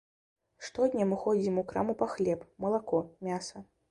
Штодня мы ходзім у краму па хлеб, малако, мяса.